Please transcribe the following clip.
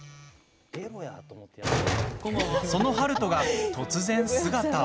その悠人が突然、姿を。